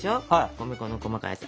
米粉の細かいやつ。